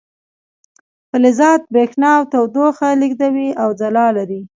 فلزات بریښنا او تودوخه لیږدوي او ځلا لري.